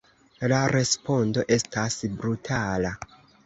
La respondo estas brutala.